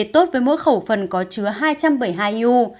tốt với mỗi khẩu phần có chứa hai trăm bảy mươi hai eu